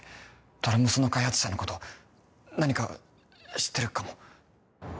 ドラ娘の開発者のこと何か知ってるかも